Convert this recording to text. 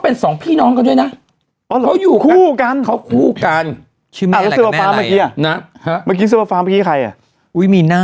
นี่ใช่ไหมสือฟ้าฟ้านี่ใช่ไหมนี่